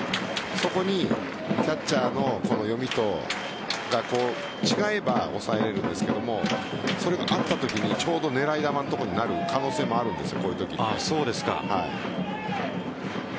そこにキャッチャーの読みと違えば抑えるんですがそれがあったときにちょうど狙い球のところになる可能性もあるんです。